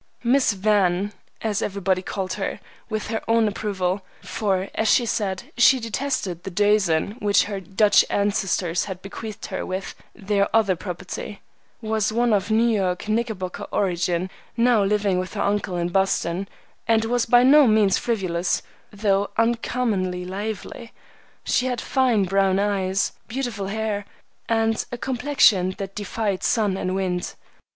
"Miss Van," as everybody called her, with her own approval,—for, as she said, she detested the Duzen which her Dutch ancestors had bequeathed her with their other property,—was of New York Knickerbocker origin, now living with her uncle in Boston, and was by no means frivolous, though uncommonly lively. She had fine, brown eyes, beautiful hair, and a complexion that defied sun and wind.